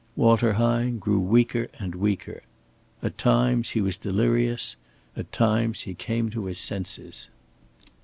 Walter Hine grew weaker and weaker. At times he was delirious; at times he came to his senses.